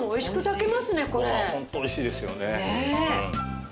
ホント美味しいですよね。